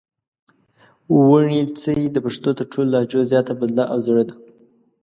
وڼېڅي د پښتو تر ټولو لهجو زیاته بدله او زړه ده